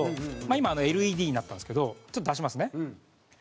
今ＬＥＤになったんですけどちょっと出しますね。